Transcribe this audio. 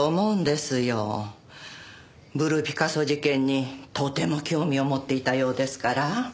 ブルーピカソ事件にとても興味を持っていたようですから。